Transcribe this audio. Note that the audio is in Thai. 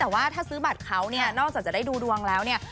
แต่ว่าถ้าซื้อบัตรเขาเนี่ยนอกจากจะได้ดูดวงแล้วเนี่ย